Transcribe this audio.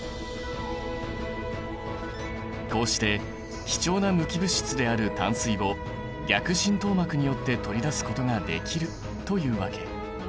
こうして貴重な無機物質である淡水を逆浸透膜によって取り出すことができるというわけ。